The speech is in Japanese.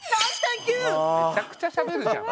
めちゃくちゃしゃべるじゃん。